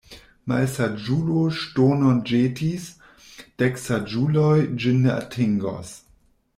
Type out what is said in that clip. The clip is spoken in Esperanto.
Malsaĝulo ŝtonon ĵetis, dek saĝuloj ĝin ne atingos.